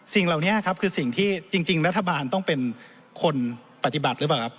สิ่งเหล่านี้ครับคือสิ่งที่จริงรัฐบาลต้องเป็นคนปฏิบัติหรือเปล่าครับ